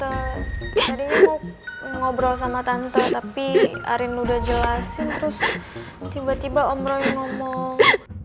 tadi aku ngobrol sama tante tapi arin udah jelasin terus tiba tiba om roy ngomong